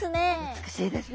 美しいですね。